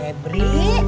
eh ada febri